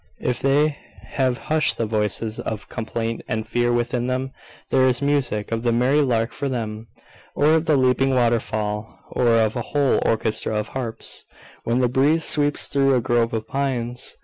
If they have hushed the voices of complaint and fear within them, there is the music of the merry lark for them, or of the leaping waterfall, or of a whole orchestra of harps, when the breeze sweeps through a grove of pines.